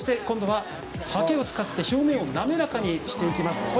今度はハケを使って表面を滑らかにしていきます。